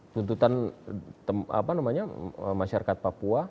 tuntutan apa namanya masyarakat papua